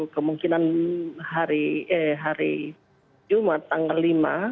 kemungkinan hari jumat tanggal lima